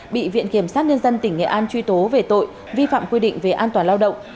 bị viện kiểm sát nhân dân tỉnh nghệ an truy tố về tội vi phạm quy định về an toàn lao động